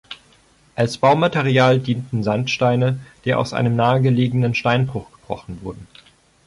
Als Baumaterial dienten Sandsteine, die aus einem nahegelegenen Steinbruch gebrochen wurden.